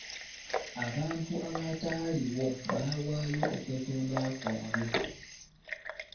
Abantu abataaliwo baawaayo okwetonda kwabwe.